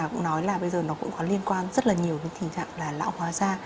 cũng nói là bây giờ nó cũng có liên quan rất là nhiều cái tình trạng là lão hóa da